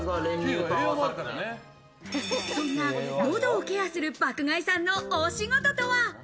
そんな喉をケアする爆買いさんのお仕事とは？